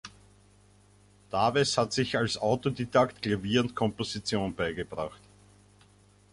Dawes hat sich als Autodidakt Klavier und Komposition beigebracht.